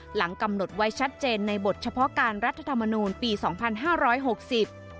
หลังกำหนดไว้ชัดเจนในบทเฉพาะการรัฐธรรมนูลปีสองพันห้าร้อยหกสิบ